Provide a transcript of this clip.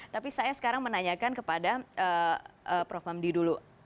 tapi saya sekarang menanyakan kepada prof hamdi dulu